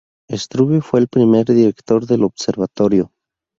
Struve fue el primer director del observatorio.